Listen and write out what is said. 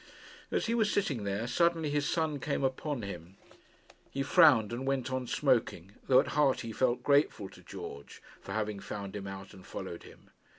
As he was sitting there, suddenly his son came upon him. He frowned and went on smoking, though at heart he felt grateful to George for having found him out and followed him.